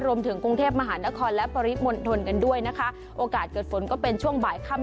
รวมถึงกรุงเทพมหานครและปริมณฑลกันด้วยนะคะโอกาสเกิดฝนก็เป็นช่วงบ่ายค่ำ